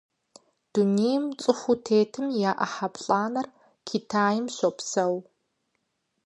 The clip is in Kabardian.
Дунейм цӀыхуу тетым я Ӏыхьэ плӀанэр Китайм щопсэу.